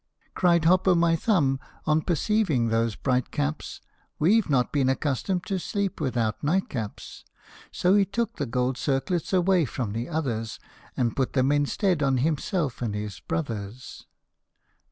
Cried Hop o' my Thumb, on perceiving those bright caps, We Ve not been accustomed to sleep without nightcaps !" So he took the gold circlets away from the others, And put them instead on himself and his brothers.